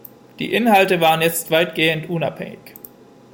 Die Inhalte waren jetzt weitgehend unabhängig.